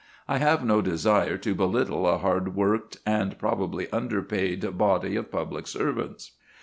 I have no desire to belittle a hard worked, and probably underpaid, body of public servants.